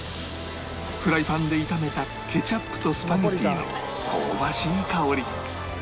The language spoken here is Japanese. フライパンで炒めたケチャップとスパゲティの香ばしい香り